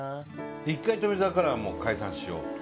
１回富澤から「もう解散しよう」と。